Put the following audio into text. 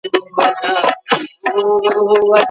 که څه هم هر انسان پخپلو دوستانو کي خواخوږی ټاکي.